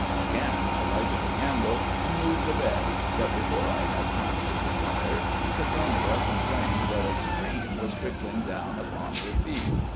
Again I lighted the candle and moved the bed, but before I had time to retire Sophronia complained that a stream was trickling down upon her feet.